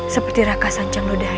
seperti raka sancang lodaya